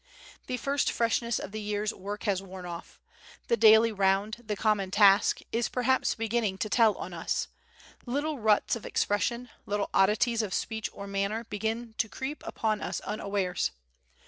The first freshness of the year's work has worn off, "the daily round, the common task" is perhaps beginning to tell on us. Little ruts of expression, little oddities of speech or manner begin to creep upon us unawares.